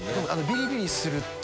ビリビリすると。